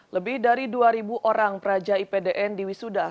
lebih dari dua orang peraja ipdn di wisuda